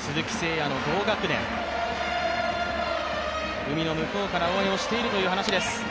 鈴木誠也の同学年、海の向こうから応援をしているという話です。